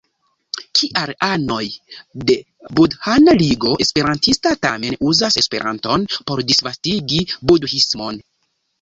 Kial anoj de Budhana Ligo Esperantista tamen uzas Esperanton por disvastigi budhismon?